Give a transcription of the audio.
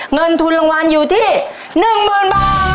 เงินทุนรางวัลอยู่ที่๑๐๐๐บาท